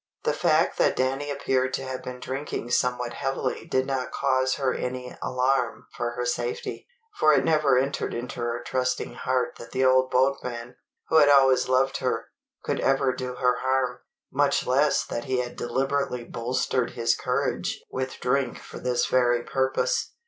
The fact that Danny appeared to have been drinking somewhat heavily did not cause her any alarm for her safety; for it never entered into her trusting heart that the old boatman, who had always loved her, could ever do her harm, much less that he had deliberately bolstered his courage with drink for this very purpose.